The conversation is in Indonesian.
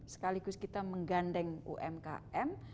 sekaligus kita menggandeng umkm